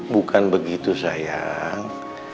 bukan begitu sayang